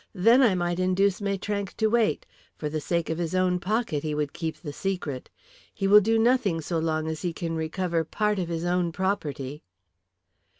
Then I might induce Maitrank to wait. For the sake of his own pocket he would keep the secret. He will do nothing so long as he can recover part of his own property."